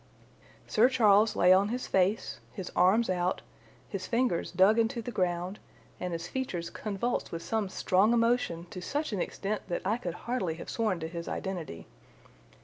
Sir Charles lay on his face, his arms out, his fingers dug into the ground, and his features convulsed with some strong emotion to such an extent that I could hardly have sworn to his identity.